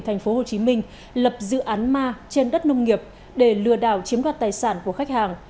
thành phố hồ chí minh lập dự án ma trên đất nông nghiệp để lừa đảo chiếm đoạt tài sản của khách hàng